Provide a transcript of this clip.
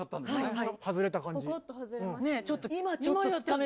はい。